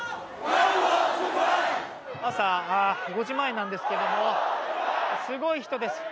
朝５時前なんですけどもすごい人です。